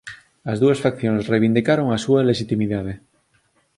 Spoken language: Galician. As dúas faccións reivindicaron a súa lexitimidade